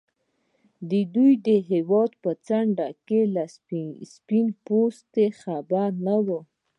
دوی د هېواد په دې څنډه کې له سپين پوستو خبر نه وو.